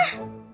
atau enggak ekra